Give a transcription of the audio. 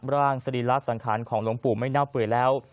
ร่างศรีรัตน์สังขารของหลวงปู่ไม่น่าเปลือกแล้ว